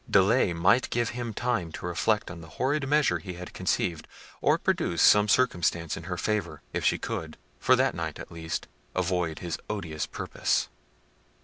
Delay might give him time to reflect on the horrid measures he had conceived, or produce some circumstance in her favour, if she could—for that night, at least—avoid his odious purpose.